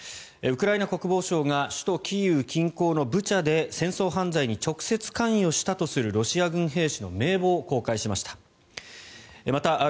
ウクライナ国防省が首都キーウ近郊のブチャで戦争犯罪に直接関与したとするロシア軍兵士の名簿を公開しました。